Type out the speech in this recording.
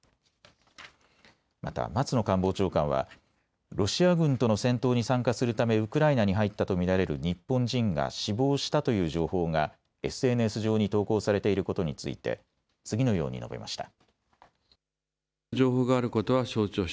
また松野官房長官はロシア軍との戦闘に参加するためウクライナに入ったと見られる日本人が死亡したという情報がＳＮＳ上に投稿されていることについて次のように述べました。